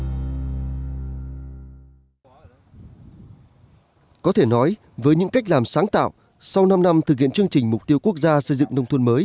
các bạn có thể nói với những cách làm sáng tạo